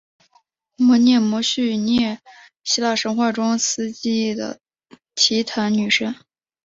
谟涅摩叙涅希腊神话中司记忆的提坦女神。